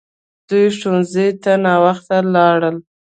دوی ښوونځي ته ناوخته لاړل!